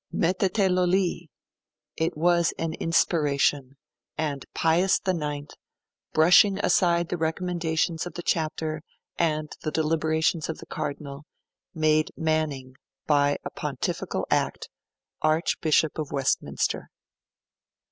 Mettetelo li! It was an inspiration; and Pius IX, brushing aside the recommendations of the Chapter and the deliberations of the Cardinals, made Manning, by a Pontifical act, Archbishop of Westminster.